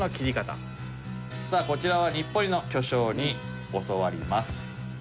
さあ続いてはさあこちらは日暮里の巨匠に教わります。